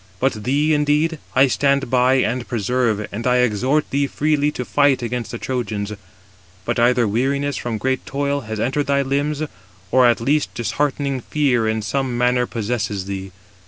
But thee, indeed, I stand by and preserve, and I exhort thee freely to fight against the Trojans. But either weariness, from great toil, has entered thy limbs, or at least disheartening fear in some manner possesses thee.